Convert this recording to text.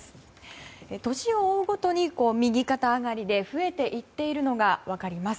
年を追うごとに右肩上がりで増えていっているのが分かります。